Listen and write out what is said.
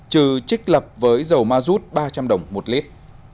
trừ trích lập với dầu ma rút ba trăm linh đồng một lít